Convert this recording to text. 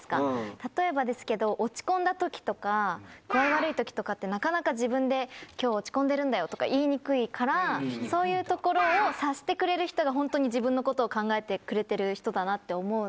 例えばですけど落ち込んだ時とか具合悪い時とかってなかなか自分で「今日落ち込んでるんだよ」とか言いにくいからそういうところを察してくれる人がホントに自分のことを考えてくれてる人だなって思う。